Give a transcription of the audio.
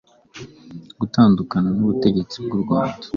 Gutandukana n'ubutegetsi bw'u Rwanda: